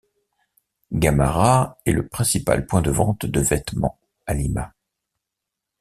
Gamarra est le principal point de vente de vêtements à Lima.